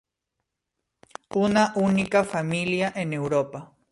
Una única familia en Europa.